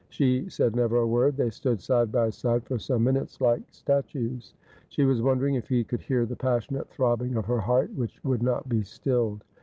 She said never a word. They stood side by side for some minutes like statues. She was wondering if he could hear the passionate throbbing of her heart, which would not be stilled.